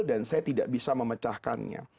dan saya tidak bisa memecahkannya